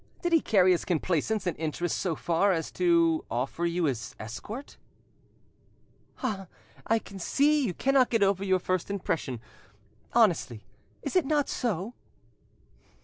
Did he carry his complaisance and interest so far as to offer you his escort?" "Ah! I see you cannot get over your first impression—honestly, is it not so?"